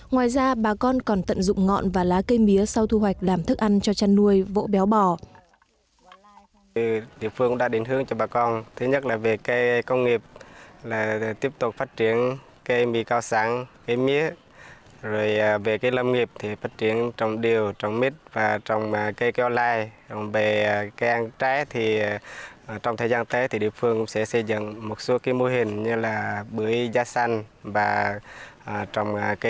ngoài ra bà con còn tận dụng ngọn và lá cây mía sau thu hoạch làm thức ăn cho chăn nuôi vỗ béo bò